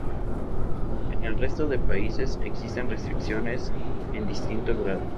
En el resto de países existen restricciones en distinto grado.